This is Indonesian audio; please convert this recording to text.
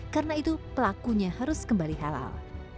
karena itu pelakunya harus kembali halal